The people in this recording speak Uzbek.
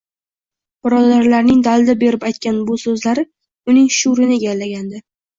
Birodarlarining dalda berib aytgan bu so`zlari uning shuurini egallagandi